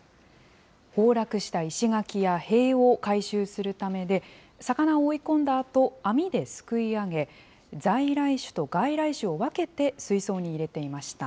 崩落した石垣や塀を回収するためで、魚を追い込んだあと、網ですくい上げ、在来種と外来種を分けて水槽に入れていました。